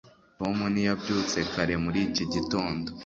tom ntiyabyutse kare muri iki gitondo